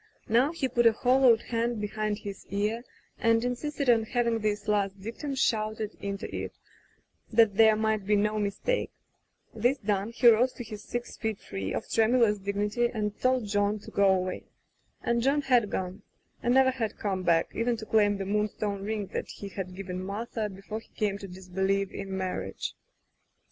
Now he put a hollowed hand behind his ear and insisted on having this last dictum shouted into it, that there might be no mistake. This done, he rose to his six feet three of tremulous dignity and told John to go away. And John had gone, and never had come back, even to claim the moonstone ring that he had given Martha before he came to disbelieve in marriage.